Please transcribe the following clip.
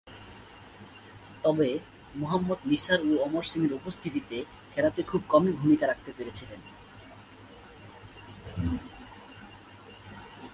তবে, মোহাম্মদ নিসার ও অমর সিংয়ের উপস্থিতিতে খেলাতে খুব কমই ভূমিকা রাখতে পেরেছিলেন।